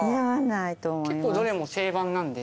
結構どれも定番なんで。